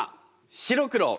白黒。